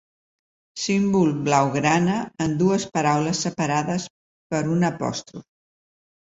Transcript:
Símbol blaugrana, en dues paraules separades per un apòstrof.